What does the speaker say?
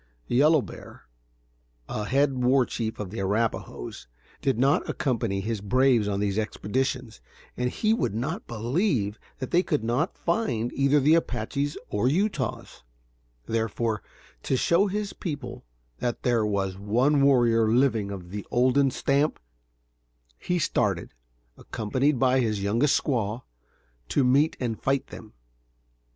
Yellow Bear, a head war chief of the Arrapahoes, did not accompany his braves on these expeditions, and he would not believe that they could not find either the Apaches or Utahs; therefore, to show his people that there was one warrior living of the olden stamp, he started, accompanied only by his youngest squaw, to meet and fight them.